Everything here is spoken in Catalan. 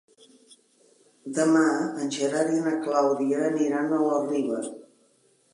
Demà en Gerard i na Clàudia aniran a la Riba.